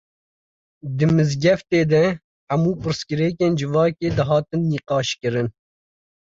Di mizgeftê de hemû pirsgirêkên civakê, dihatin niqaş kirin